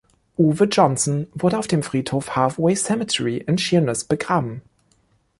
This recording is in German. Uwe Johnson wurde auf dem Friedhof „Halfway Cemetery“ in Sheerness begraben.